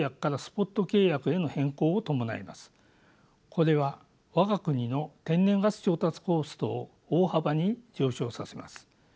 これは我が国の天然ガス調達コストを大幅に上昇させます。